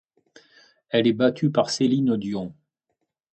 Elle est battue par Céline Dion.